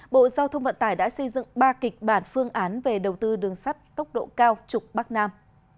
bộ giao thông vận tải đã xây dựng ba kịch bản phương án về đầu tư đường sắt tốc độ cao trục bắc nam